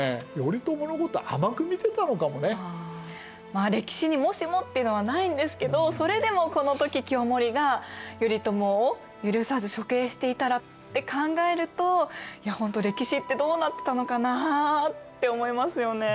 まあ歴史にもしもっていうのはないんですけどそれでもこの時清盛が頼朝を許さず処刑していたらって考えるといやほんと歴史ってどうなってたのかなあって思いますよね。